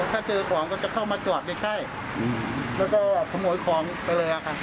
ถ้าเจอของก็จะเข้ามาจอดในค่ายแล้วก็ขโมยของไปเลยค่ะ